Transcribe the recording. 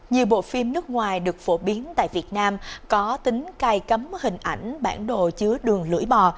nhiều bộ phim nước ngoài được phổ biến tại việt nam có tính cài cấm hình ảnh bản đồ chứa đường lưỡi bò